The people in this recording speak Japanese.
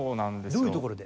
どういうところで？